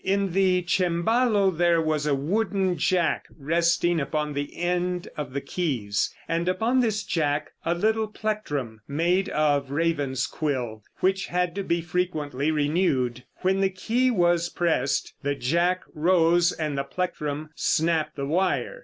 In the cembalo there was a wooden jack resting upon the end of the keys, and upon this jack a little plectrum made of raven's quill, which had to be frequently renewed. When the key was pressed, the jack rose and the plectrum snapped the wire.